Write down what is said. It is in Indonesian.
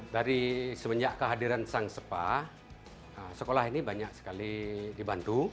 dari semenjak kehadiran sang spa sekolah ini banyak sekali dibantu